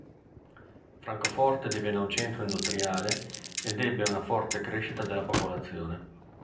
Francoforte divenne un centro industriale ed ebbe una forte crescita della popolazione.